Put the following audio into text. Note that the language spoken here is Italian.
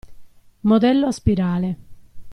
Modello a spirale.